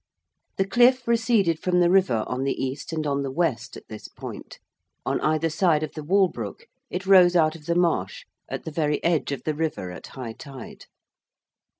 The cliff receded from the river on the east and on the west at this point: on either side of the Walbrook it rose out of the marsh at the very edge of the river at high tide.